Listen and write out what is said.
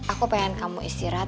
aku pengen kamu istirahat